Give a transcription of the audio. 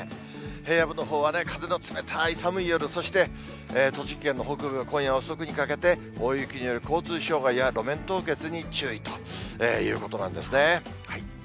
平野部のほうは風の冷たい寒い夜、そして栃木県の北部、今夜遅くにかけて大雪になる交通障害や路面凍結に注意ということなんですね。